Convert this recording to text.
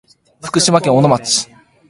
福島県小野町